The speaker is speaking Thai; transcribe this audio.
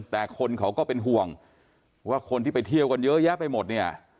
แต่คนเขาก็เป็นห่วงว่าคนที่ไปเที่ยวกันเยอะแยะไปหมดเนี่ย